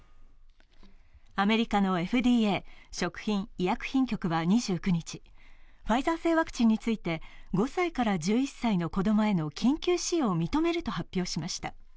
アメリカのＦＤＡ＝食品医薬品局は２９日、ファイザー製ワクチンについて、５歳から１１歳の子供への緊急使用を認めると発表しました。